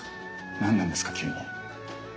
何なんですか急に。